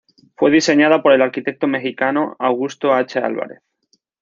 Fue diseñada por el arquitecto mexicano Augusto H. Álvarez.